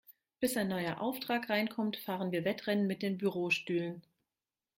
Bis ein neuer Auftrag reinkommt, fahren wir Wettrennen mit den Bürostühlen.